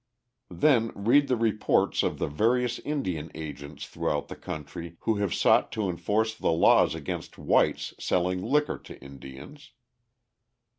Then, read the reports of the various Indian agents throughout the country who have sought to enforce the laws against whites selling liquor to Indians.